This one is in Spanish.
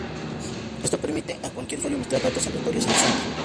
Esto permite a cualquier usuario mezclar datos aleatorios a la fuente.